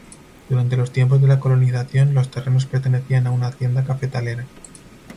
Durante los tiempos de la colonización, los terrenos pertenecían a una hacienda cafetalera.